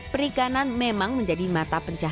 perikanan memang menjadi mata pencaha